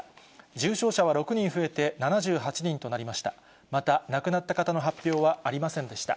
重症者は６人増えて、７８人となりました。